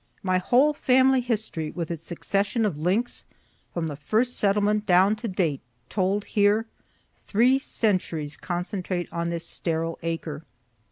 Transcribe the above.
My whole family history, with its succession of links, from the first settlement down to date, told here three centuries concentrate on this sterile acre.